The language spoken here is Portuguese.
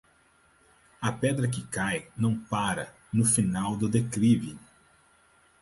A pedra que cai não pára no final do declive.